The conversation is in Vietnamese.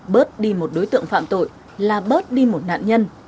bớt đi một đối tượng phạm tội là bớt đi một nạn nhân